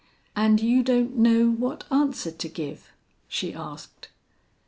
"And you don't know what answer to give," she asked.